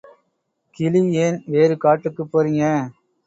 கிளி ஏன் வேறு காட்டுக்குப் போறீங்க?